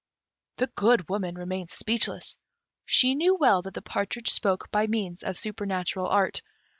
The Good Woman remained speechless: she knew well that the partridge spoke by means of supernatural art.